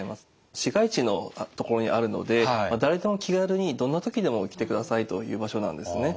市街地のところにあるので誰でも気軽にどんな時でも来てくださいという場所なんですね。